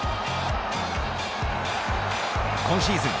今シーズン